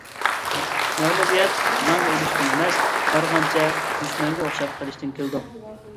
مەغلۇبىيەت جەڭدە ئۆلۈشتىن ئەمەس، بارغانچە دۈشمەنگە ئوخشاپ قېلىشتىن كېلىدۇ.